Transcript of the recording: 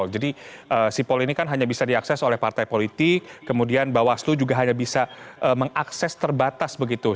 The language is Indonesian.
jadi sipol ini kan hanya bisa diakses oleh partai politik kemudian bawaslu juga hanya bisa mengakses terbatas begitu